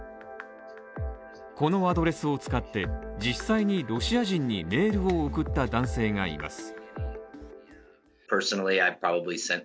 このアドレスを使って実際にロシア人にメールを送った男性がいます。